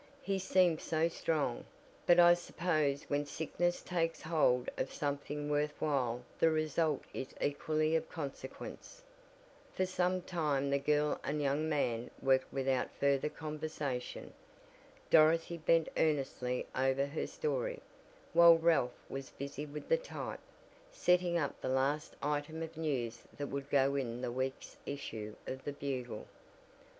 "He seemed so strong, but I suppose when sickness takes hold of something worth while the result is equally of consequence." For some time the girl and young man worked without further conversation. Dorothy bent earnestly over her story, while Ralph was busy with the type, setting up the last item of news that would go in the week's issue of the Bugle.